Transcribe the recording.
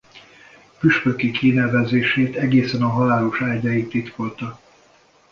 Püspöki kinevezését egészen a halálos ágyáig titkolta.